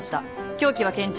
凶器は拳銃。